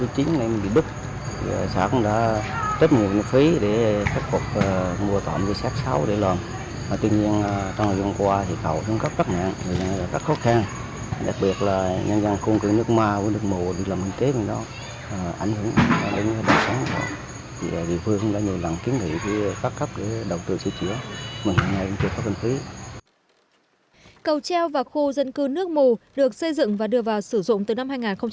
cầu treo và khu dân cư nước mù được xây dựng và đưa vào sử dụng từ năm hai nghìn bảy